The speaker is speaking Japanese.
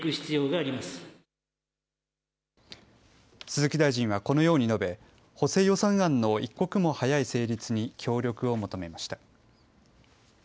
鈴木大臣はこのように述べ補正予算案の一刻も早い成立に協力を求めました。